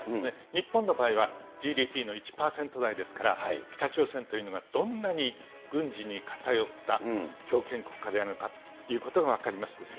日本の場合はＧＤＰの１％台ですから、北朝鮮というのがどんなに軍事に偏った強権国家であるのかということが分かります。